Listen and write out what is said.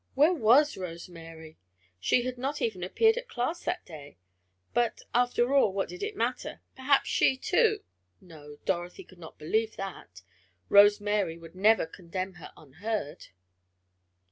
Where was Rose Mary? She had not even appeared at class that day. But, after all, what did it matter? Perhaps she too no, Dorothy could not believe that. Rose Mary would never condemn her unheard.